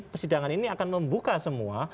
persidangan ini akan membuka semua